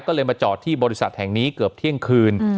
ก็เลยมาจอดที่บริษัทแห่งนี้เกือบเที่ยงคืน